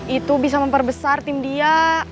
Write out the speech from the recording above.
itu bisa memperbesar tim dia